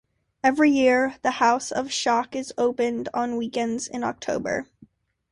Every year, the House Of Shock is opened on weekends in October.